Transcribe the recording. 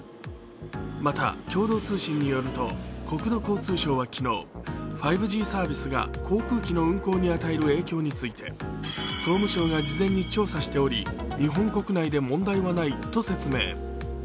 また、共同通信によると昨日５Ｇサービスが航空機の運航に与える影響について、総務省が事前に調査しており日本国内で問題はないと説明。